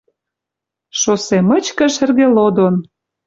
Шоссе мычкы шӹргӹ лодон